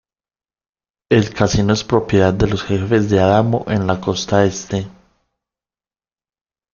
El casino es propiedad de los jefes de Adamo en La Costa Este.